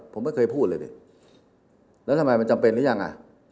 ผมไม่เคยพูดเลยดิแล้วทำไมมันจำเป็นหรือยังอ่ะ